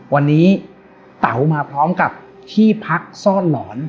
วันนี้เต๋ามาพร้อมกับที่พักซ่อนหลอน